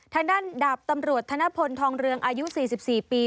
ทางด้านดาบตำรวจธนพลทองเรืองอายุ๔๔ปี